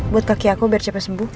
buat kaki aku biar cepat sembuh